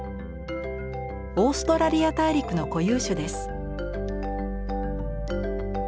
オーストラリア大陸の固有種です。